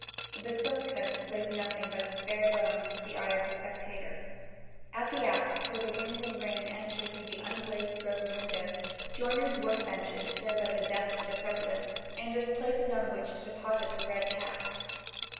The basilica displays nothing but its bare bones to the eyes of the spectator. At the apse, where wind and rain enter through the unglazed rose window, joiners' work benches serve as a desk for the president and as places on which to deposit the red caps.